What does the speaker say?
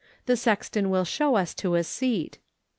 The sexton will show us to a seat."